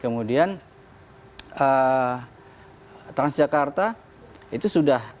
kemudian transjakarta itu sudah